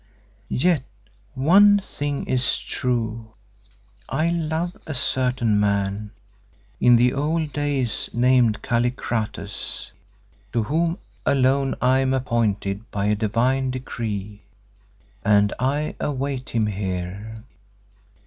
Yet one thing is true. I love a certain man, in the old days named Kallikrates, to whom alone I am appointed by a divine decree, and I await him here.